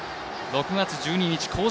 ６月１２日